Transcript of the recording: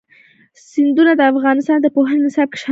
سیندونه د افغانستان د پوهنې نصاب کې شامل دي.